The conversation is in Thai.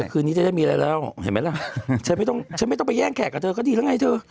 คืนนี้จะได้มีอะไรแล้วเห็นไหมล่ะฉันไม่ต้องฉันไม่ต้องไปแย่งแขกกับเธอก็ดีแล้วไงเธอ